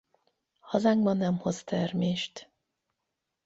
Hazánkban nem hoz termést.